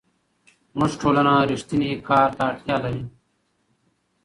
زموږ ټولنه رښتیني کار ته اړتیا لري.